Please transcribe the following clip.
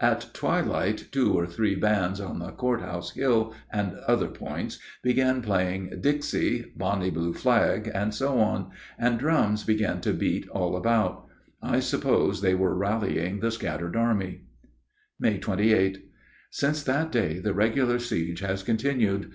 At twilight two or three bands on the court house hill and other points began playing "Dixie," "Bonnie Blue Flag," and so on, and drums began to beat all about; I suppose they were rallying the scattered army. May 28. Since that day the regular siege has continued.